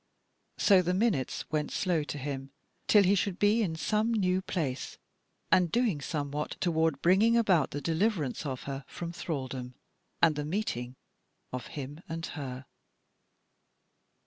So the minutes went slow to him, till he should be in some new place and doing somewhat toward bringing about the deliverance of her from thralldom, and the meeting of him and her.